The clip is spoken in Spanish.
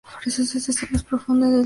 Es la estación más profunda del sistema.